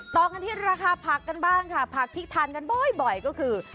ต่อกันที่ราคาผักกันบ้างค่ะผักที่ทานกันบ่อยก็คือ